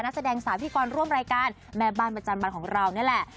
นักแสดงสาวพิธีกรร่วมรายการแม่บ้านประจำวันของเรานี่แหละ